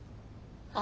あ。